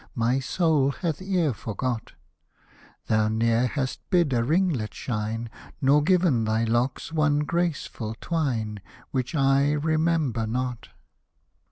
My soul hath e'er forgot ; Thou ne'er hast bid a ringlet shine. Nor given thy locks one graceful twine Which I remember not.